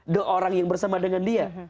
the orang yang bersama dengan dia